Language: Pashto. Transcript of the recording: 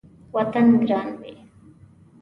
وطن ګران وي